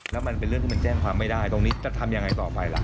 เดี๋ยวคนดนราชาจะได้ไหมก็จะของเขาให้มา